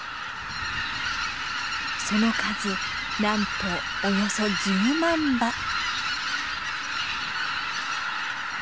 その数なんとおよそ１０万羽。